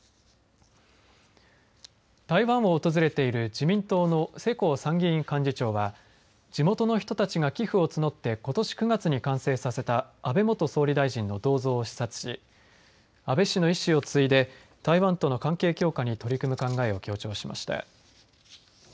台湾を訪れている自民党の世耕参議院幹事長は地元の人たちが寄付を募ってことし９月に完成させた安倍元総理大臣の銅像を視察し安倍氏の遺志を継いで台湾との関係強化に取り組む考えを強調しました。